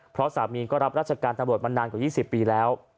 เพราะสามีก็รับราชการตำรวจมานานกว่า๒๐ปีแล้ว